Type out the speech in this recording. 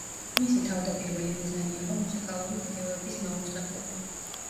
მისი თავდაპირველი მიზანი იყო მუსიკალური ვიდეოების მაუწყებლობა.